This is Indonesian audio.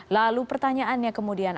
lalu pertanyaannya kemudian